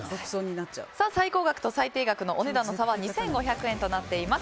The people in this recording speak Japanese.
最高額と最低額のお値段の差は２５００円となっています。